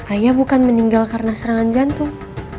ayah bukan meninggal karena serangan jantung